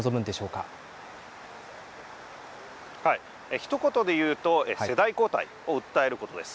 ひと言で言うと世代交代を訴えることです。